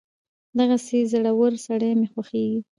دغسې زړور سړی مې خوښېږي.